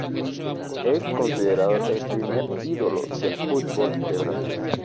Es considerado el primer ídolo del fútbol de Brasil.